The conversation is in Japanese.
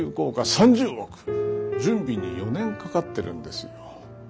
３０億準備に４年かかってるんですよ。